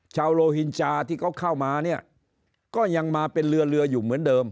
โลหินจาที่เขาเข้ามาเนี่ยก็ยังมาเป็นเรือเรืออยู่เหมือนเดิม